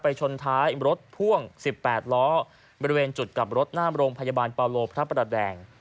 ชนท้ายรถพ่วง๑๘ล้อบริเวณจุดกลับรถหน้าโรงพยาบาลปาโลพระประแดง